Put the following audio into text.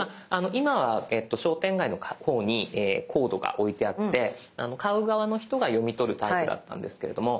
今は商店街の方にコードが置いてあって買う側の人が読み取るタイプだったんですけれども。